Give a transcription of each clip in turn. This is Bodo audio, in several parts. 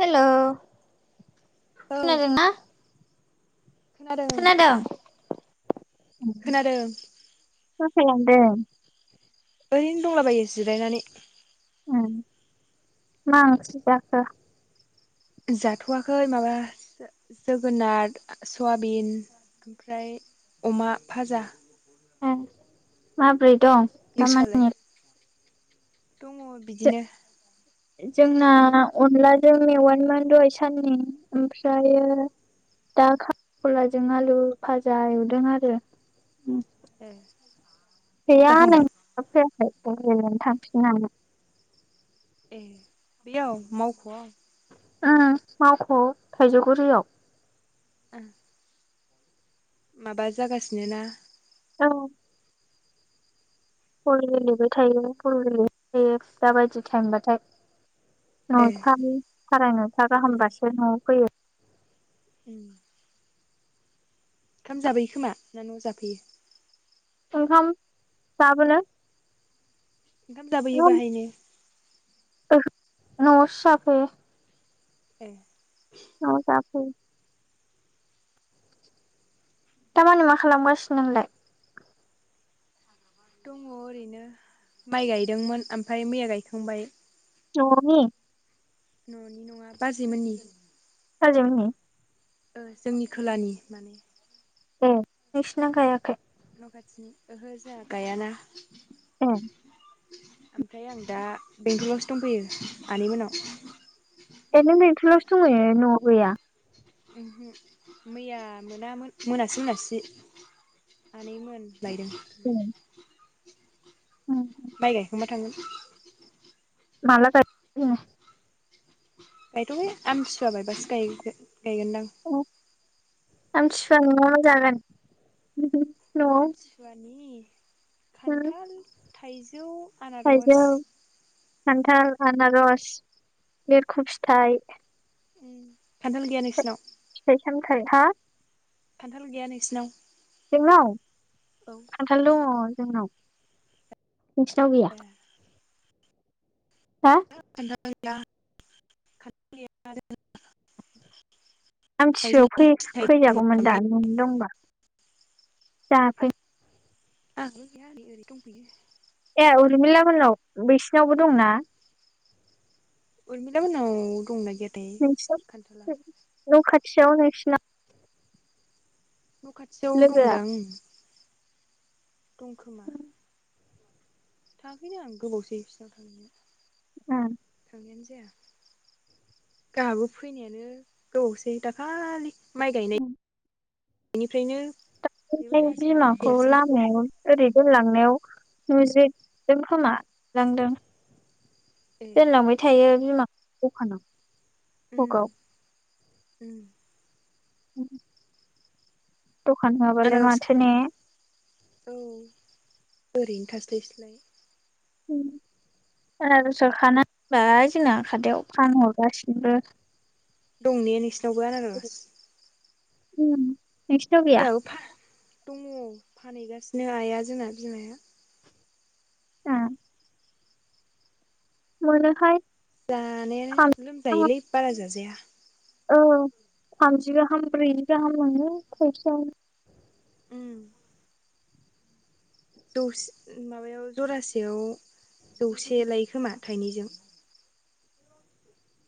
हेलौ औ खोनादों ना खोनादों खोनादों मा खालामदों ओरैनो दंलाबायो जिरायनानै उम मा ओंख्रि जाखो? जाथ'वाखै माबा जोगोनार सुवाबिन ओमफ्राय अमा भाजा उम माब्रै दं नोंस्रालाय दामानि दङ बिदिनो जोंना अनलाजों मेवायमोन दहाय साननि ओमफ्राय दा खला [unintelligible] जों आलु भाजा एवदों आरो ओ गैया नै थांफिनां [unintelligible] ए बेयाव मावख'वाव ओ मावख'आव थाइजौगुरियाव ओह माबा जागासिनो ना बलि [unintelligible] गेलेबाय थायो बल गेलेबाय थायो दा बायदि टाइम बाथाय ए नयथानि साराय नयथा उम गाहामबासो न'आव फैयो [unintelligible] उम ओंखाम जाबाय‌ खोमा ना न ओंखाम जाबोनो ओंखाम जाबोयो बाहायनो ओहो न'आवसो जाफैयो। ए औ जाफै दामानि मा खालामगासिनो नोंलाय दङ ओरैनो माइ गायदोंमोन ओमफ्राय मैया गायखांबाय न'नि [unintelligible] न'नि नङा बाजैमोननि बाजैमोननि ओ जोंनि खोलानि माने ए नोंसिना गायाखै न' खाथिनि ओहो जोंहा गायाना उम [inaudible] ओमफ्राय आं दा बेंथलावसो दंफैयो आनै मोननाव ए नों बेंटल आवसो दंहैयो न'आव गैया ओमहो मैया मोना मोनासि मोनासि आनैमोन लायदों ए उम माइ गायखांबाय थांगोन [unintelligible] माला गायखांगोन नो [unintelligible] गायथ'आखै आमथि सुवा बायबासो गायगोन गायगोनदां आमथि सुवानि मा-मा जागोन न'आव आमथिसुवानि उम खान्थाल थाइजौ थाइजौ आनारस खान्थाल आनारस बेरखु फिथाइ खान्थाल गैया नोंसिनाव [unintelligible] खान्थाल गैया नोंसिनाव जोंनाव औ खानथाल दङ जोंनाव नोंसिनाव गैया ए हा [unintelligible] [unintelligible] थाइजौ आमथिसुआयाव फै फिथाइ दंमोन फैजागौमोन दा ओमफ्राय नआव दंबा जाफै [unintelligible] ए उरमिलामोननाव बिसिनावबो दंना उरमिलामोनाव दं ना गैया [unintelligible] [unintelligible] न खाथियाव लोगोआ दंदां दं खोमा थांआखैना आं गोबावसै बिसिनाव थांयिआ उम [unintelligible] गहाबो फैनायानो गोबावसै दाखालि माइ गायनाय [unintelligible] थाङासै आंबो बिमाखौ फैयासै लामायाव ओरै दोनलांनायाव नुज्रेदों खोमा नुलांदों ए दोनलांबाय थायो बिमा [unintelligible] उम सगाव उम [unintelligible] दखान माबालाय आनारस माथो ने औ ओरैनो थास्लायस्लाय आरारस खाना दोनबाय जोंना हाथाययाव फानहरगासिनोबो दं ने नोंसिनावबो आनारस उम नोंसर नाव गोया। जोंहाबो फा दङ फानहैगासिनो आइया जोंना बिमाया। मनोहाय। जानायानो लोमजायोलै बारा जाजाया। औ थामजि गाहाम ब्रैजि गाहाम मोनो खैस। उम। दसे माबायाव जरासेयाव जौसे लायो खोमा थाइनैजों।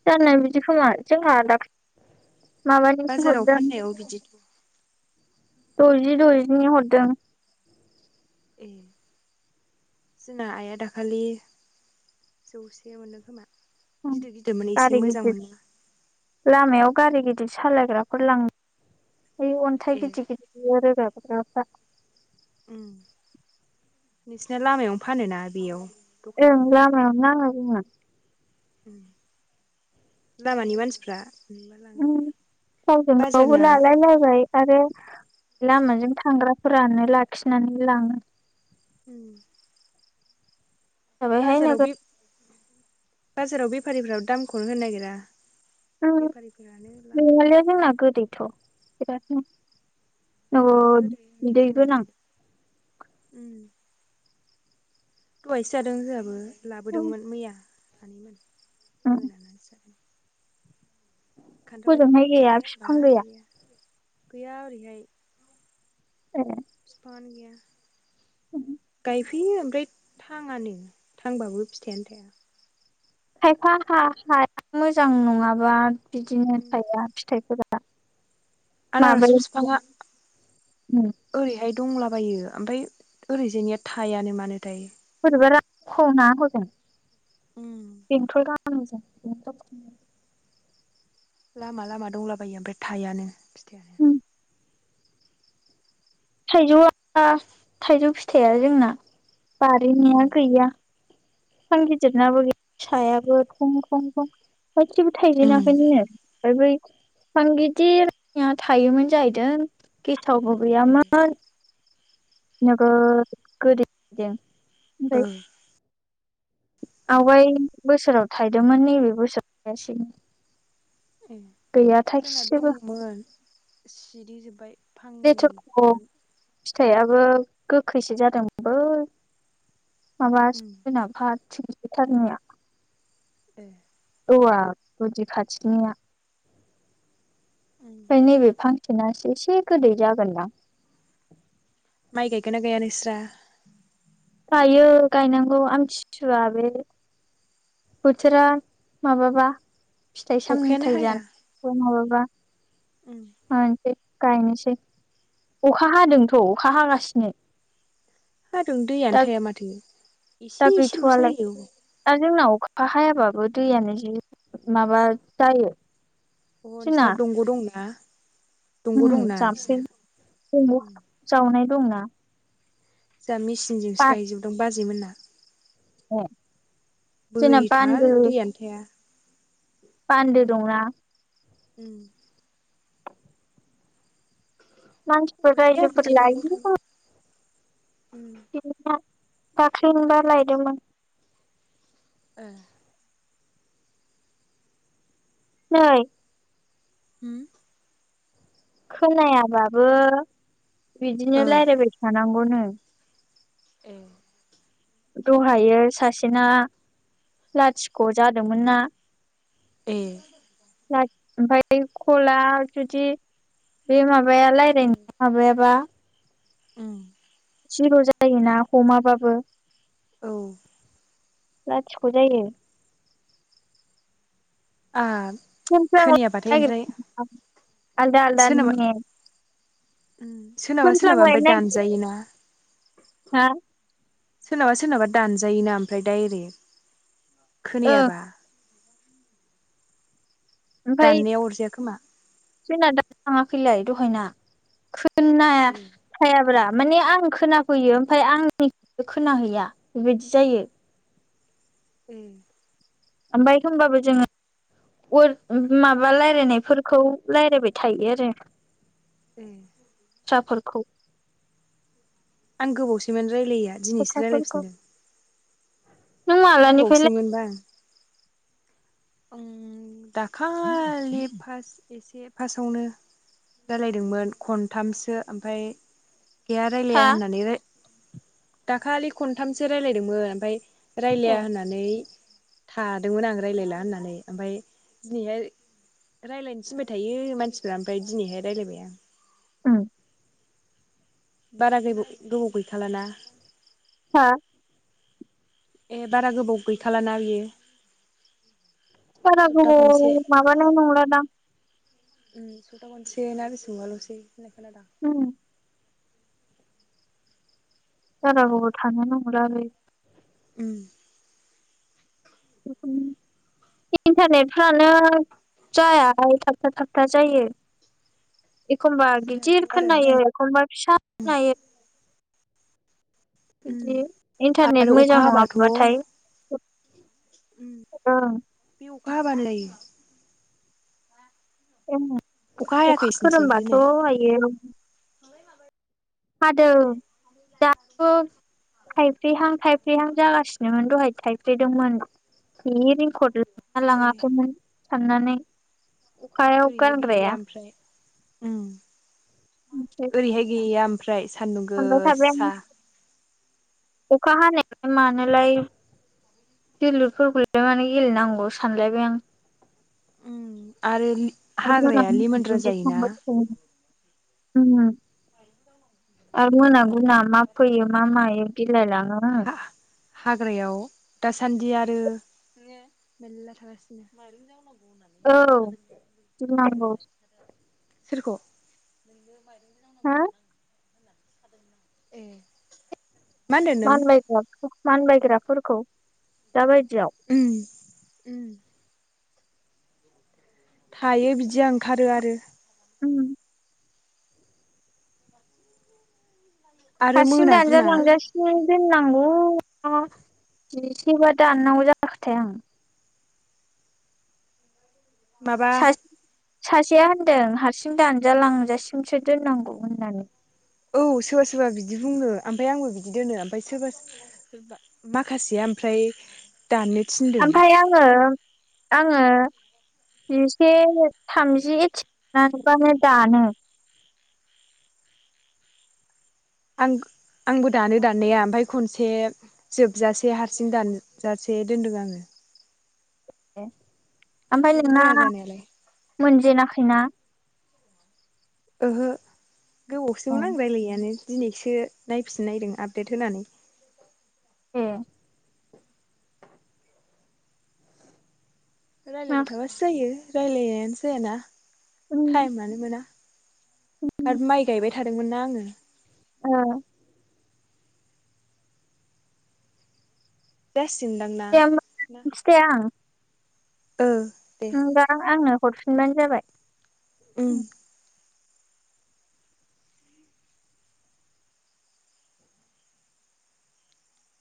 जाननाय बिदि खोमा जोंहा दाख। माबानिसो बाजाराव हरदों फाननायाव बिदिथ'। द'जि द'जिनि हरदों। ए जोंना आइआ दाखालि जौसे मोनो खोमा। गिदिर गिदिरमोन एसे गारि मोजां गिदिर मोनदों लामायायाव गारि गिदिर। बिदि सालायग्राफोर लां। ओइ अन्थाइ ए गिदिर गिदिर रोगायो। था। नोंसिना लामायावनो फानोना बेयाव। दखान औं दंना लामायवनो नांं। लामानि मानसिफ्रा। नुबा लाङो बे बाजारना मावलालााबाय। आरो लामाजों थांग्राफोरानो लाखिनानै लाङो। उ। दाब हाय न। बाजाराव बेफारिफोराव दामखौनो होनो नागिरा। बेफारिफोरानो लाङो नंआ लोय जोंना गोदोय। बेथ। गोदैलाय गोदो जोंनाबो। दहायसो जादों जोंहाबो। उम लाबोदोंमोन मैया। सानैमोन उम मोनानो जाबाय। खान्थाल हजोंहाय गैया जानो हबा। बिफां गैया गैया इरोयहाय। ए बिफांआनो गोया। ए उम गाय फैयो ओमफ्राय थाङानो थांबाबो फिथाइआनो थाया। खायफा हा हाया मोजां नङाबा बिदिनो थाइया फिथाइफोरा बा आनारस फिफाङा ओरैहाय दंलाबायो ओमफाय ओरैजायनिया थायानो मानोथाय। बिबारा खना होदों [unintelligible] [unintelligible] लामा लामा दंलाबायो ओमफ्राय थाइआनो फिथाइयानो। थाइजौआ थाइजौ फिथाइया जोंना बारिनिया गैया बिफां गिदिरनाबो सायाबो थं थं थं। थाइसेबो थाइजेनाखैनो। ओमफ्राय बै फां गिदिर निया थायोमोन जाहैदों गे सावबो गैयामोन। नोगोर गोदै दों। ओ। आवगाय बोसोराव थायदोंमोन नैबे बोसोराव थायासै। ए जोंना दंमोन सिरि जोब्बाय फांनै मोन। थाइयाबो गोखैसो जादोंमोन बै माबा उम सोनाबहाथिं थारनिया। ए। औवा गुदि खाथिनिया। उम ओमफ्राय नैबे फांसेनासो एसे गोदै जागोनदां। माइ गायगोना गैया नोंस्रा? गायो गायनांगौ आमथिसुवा बे बोथोरा माबाबा फिथाइ अखायानो सामथाइ हाया जान [unintelligible] बा उम ओन। बे गायनोसै अखा हादोंथ' अखा हागासिनो। हादों दैयानो दा थाया माथो दा इसे इसेल' गैथ'वालाय जायो औ। दा जोंनाव अखा हायाबाबो दैयानो जि माबा जायो। बह नोंसिना दंग' दंना? दंग' ओम दंना नोंसिना जामफै दंग' जोंहा जावनाय दंना जोंहा मेसिनजों सो गायजोबदोंं बाजैमोनना। [inaudible] औ। बोरिथार दैयानो थाया। बान्दो उम दंना। उम। मानसिफोर अरजाया रायजोफोर बिदि दंग' थाबा लायो। उम दाख्लैनो मोनबा लायदोंमोन। द [inaudible] फै होम। खोनायाबाबो। बिदिनो ओ रायज्लायबाय थानां गौनो। औ। दहायो सासेना लाथिख' जादोंमोन ना। ए ला ओमफ्राय खला जुदि बे मा बाया रायज्लायनो माबायाबा। उम। जिर' जायोना हमाबाबो। औ। लाथिख' जायो। आ [unintelligible] आलदा आलदा सोरनाबा नेट सोरनाबा सोरनाबा ओमफ्राय फोनफ्लांलायनो दानजायो ना। नागिरो हा सोरनाबा सोरनाबा दानजायोना ओमफ्राय डायरेग। ओं खोनायाबा। ओमफाय दाननाया अरजाया खोमा। जोंना दा थाङाखैलाय दहायना। खोन्नाया ए हायाब्रा माने आं खोनाफैयो ओमफ्राय आंनिया खोना हैया बेबायदि जायो। उम। ओमफ्राय होमबाबो जोंङो अर माबा रायलायनायफोरखौ रायलायबाय थायो आरो। ए। बाथ्राफोरखौ। आं गोबावसैमोन। रायलायैया दिनैसो खोथाफोरखौ रायज्लायफिनदों। नों मालानिफ्राय गोबावसैमोनबा। उम। दाखालि फासट एसे। फास्टावनो रायालायदोंमोन खनथामसो ओमफ्राय गैया हा रायलाया होननानानै राय दाखालि खनथामसो रायलायदोंमोन ओमफ्राय ए रायलाया होननानै थादोंमोन आं रायज्लायला होनना नानै ओमफ्राय दिनैहाय रायलायनो थिनबाय थायो मानसिफ्रा ओमफ्राय दिनैहाय रायलायबाय आं। उम बारा गैबाव गोबाव गैखालाना। हा? ए बारा गोबाव गैखालाना बियो। बारा सप्ता गोबाव खनसे माबानाय नंला दां? उम सप्ता मोननसे ना बेसांबाल'सै। [unintelligible] उम बारा गोबाव थानो ना [unintelligible] उम। [unintelligible] इन्टारनेटफ्रानो जायाहाय थाबथा थाबथा जायो। एखमबा जायाथ' गिदिर आरो खोनो एखमबा फिसा खोनायो बिदि उम इन्टारनेट आरो मोजां अखा हाबाथ' नङाबाब्लाथाय उम ओं। बे अखा हाबानो जायो। ओं अखा खोरोमबाथ' आयो ओमफ्राय माबा हादों दाबो थायफ्रिहां थायफ्रिहां जागासिनोमोन दहाय थायफ्रिदोंमोन बे रिंकर्ड ना ओरै लाङाखैमोन साननानै। अखायाव ओरैहाय गैया गानग्राया। ओमफ्राय उम। ओमफ्राय ओरैहाय गैया ओम प्राइस। सानबाय थाबाय सान्दुंगोसा। आं अखा हानाया मानोलाय जोलुरफोरखौलाय मान गेलेनांगौ सानलायबाय आं। उ आरो। [inaudible] हाग्राया लिमोनद्रा जायोना आरो मोना गुना मा फैयो मा मायो बिलायलाङो। ह। हा हाग्रायाव दासान्दि आरो मेरला थागासिनो। औ गिनांगौ [inaudible] सोरखौ। हा। ए। मानबाय जोब। मान बायग्राफोरखौ। दाबायदियाव। उ। थायो बिदिया ओंखारो आरो। उम। आरो हारसिं मोना दान्जा गुना लांजासिनो। दोननांगौ एसेबा दाननांगौ जाखोथाय आं। माबा। सासे सासेया होनदों हारसिं दानजालांजासिमसो दोननांगौ होननानै। औ सोरबा सोरबा बिदि बुङो ओमफ्राय आंबो बिदि दोनो ओमफ्राय सोरबा माखासेया ओमफ्राय। दाननो थिनदों ओमफाय आङो। आङो जिसे थामजिथिबानो दानो। आं आंबो दानो दाननाया ओमफ्राय खनसे जोबजासे हारसिं दानजासे दोनदों आङो। ह। ओमफाय जेबो नोंना जाया जानायालाय मोनजेनाखैना। ओहो। गोबावसिमोन नां रायज्लाययानो। दिनैसो नायफिन नायदों आपदेट होनानै। ह। रायलायबाय थाबासो जायो। रायज्लायनायानो जायाना। ओ टायमानो मोना। आरो माइ गायबाय थादोंमोनना आङो। अ। [unintelligible] सिमदांना दे होमबा मिथिथाया आं दा आङो हरफिनबानो जाबाय। उम।